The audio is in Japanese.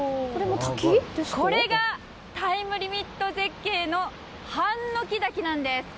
これがタイムリミット絶景のハンノキ滝なんです。